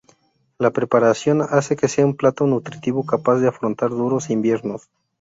La preparación hace que sea un plato nutritivo capaz de afrontar duros inviernos.